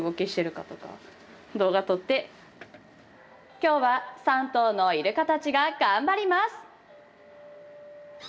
今日は３頭のイルカたちが頑張ります。